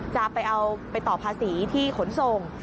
จะไปเอาไปต่อภาษีที่ขนส่ง